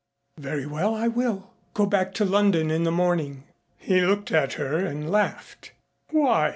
"Very well, I will. Go back to London in the morning." He looked at her and laughed. "Why?"